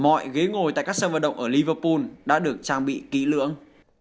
mọi ghế ngồi tại các sân vận động ở liverpool đã được trang bị kỹ lưỡng